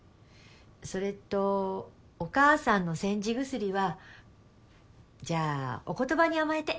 それとお母さんの煎じ薬はじゃあお言葉に甘えて。